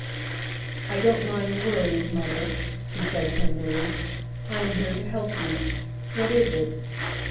"I don't mind the worries, mother," he said tenderly; "I am here to help you. What is it